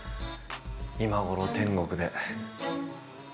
今頃天国で。